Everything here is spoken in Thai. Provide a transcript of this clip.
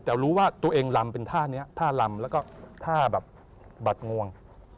แต่รู้ว่าตัวเองลำเป็นท่านี้ท่าลำแล้วก็ท่าแบบบัดงวง